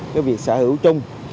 cái việc sở hữu chung